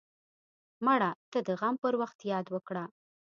مړه ته د غم پر وخت یاد وکړه